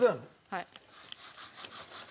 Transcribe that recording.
はい。